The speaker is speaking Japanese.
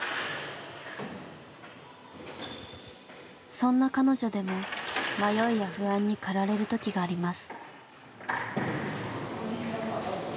そんな彼女でも迷いや不安に駆られる時があります。